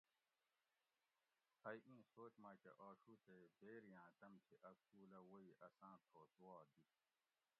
ائ اِیں سوچ ماٞکٞہ آشُو تے بیری آۤں تم تھی اٞ کُول اٞ ووئ اساٞں تھوس وا دِت